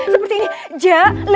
seperti ini ja le